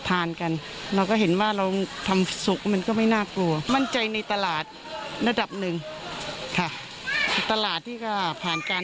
อาหารทะเลสดนะ